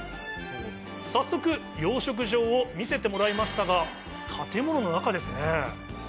早速、養殖場を見せてもらいましたが、建物の中ですね。